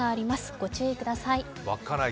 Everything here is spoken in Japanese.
ご注意ください。